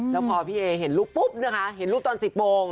แล้วพอพี่เอเห็นลูกปุ๊บนะคะเห็นลูกตอน๑๐โมง